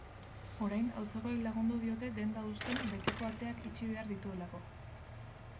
Orain auzokoek lagundu diote denda husten betiko ateak itxi behar dituelako.